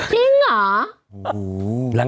จริงเหรอ